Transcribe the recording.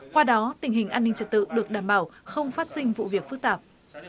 qua đó tình hình an ninh trật tự được đảm bảo không phát sinh vụ việc phức tạp